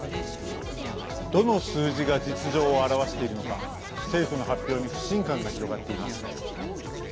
どの数字が実情を表しているのか政府の発表に不信感が広がっています。